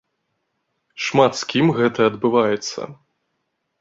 Шмат з кім гэта адбываецца.